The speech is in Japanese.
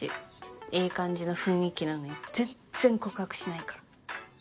いい感じの雰囲気なのに全然告白しないから。